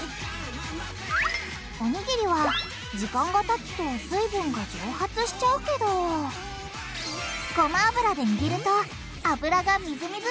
おにぎりは時間がたつと水分が蒸発しちゃうけどごま油でにぎると油がみずみずしさを保ってくれるんです！